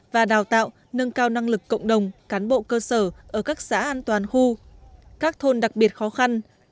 và đào tạo nâng cao năng lực cộng đồng cán bộ cơ sở ở các xã an toàn khu các thôn đặc biệt khó khăn